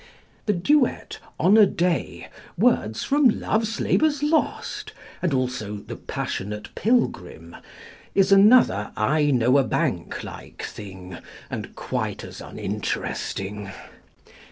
The duet, "On a Day," words from Love's Labour's Lost, and also The Passionate Pilgrim, is another "I know a bank" like thing, and quite as uninteresting.